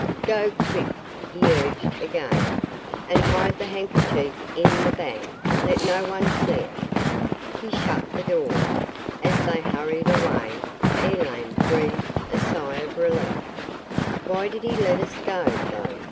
"Go quick!" he urged again, "and hide the handkerchief in the bag. Let no one see it!" He shut the door. As they hurried away, Elaine breathed a sigh of relief. "Why did he let us go, though?"